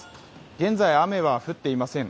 現在、雨は降っていません。